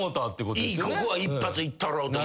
ここは一発いったろうと。